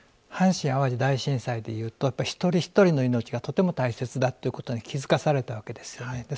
阪神・淡路大震災でいうとやっぱり一人一人の命がとても大切だということに気付かされたわけですよね。